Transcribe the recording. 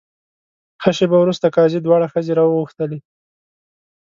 ښه شېبه وروسته قاضي دواړه ښځې راوغوښتلې.